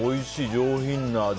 上品な味。